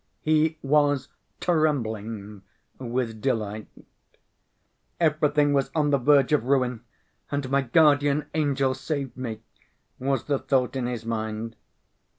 He was trembling with delight. "Everything was on the verge of ruin and my guardian angel saved me," was the thought in his mind.